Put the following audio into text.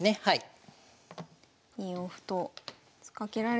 はい。